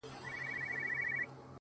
انقلابي په زلفو کي لام ـ لام نه کړم’